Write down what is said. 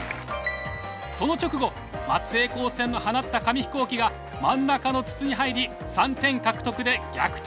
その直後松江高専の放った紙飛行機が真ん中の筒に入り３点獲得で逆転。